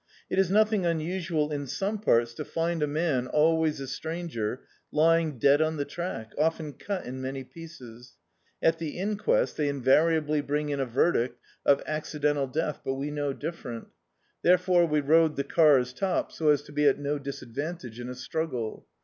It is nothing unusual in some parts to find a man, always a stranger, lying dead on the track, often cut in many pieces. At the inquest they invariably bring in a verdict of ac D,i.,.db, Google The Autobiography of a Super Tramp cidental death, but we know different. Therefore we rode the car's top, so as to be at no disadvan tage in a struggle.